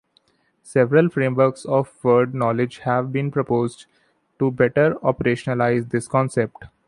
Several frameworks of word knowledge have been proposed to better operationalise this concept.